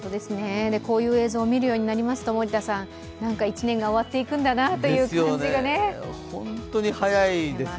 こういう映像を見るようになりますと、１年が終わっていくんだなという感じがね。